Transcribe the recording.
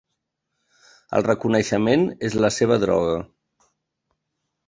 El reconeixement és la seva droga.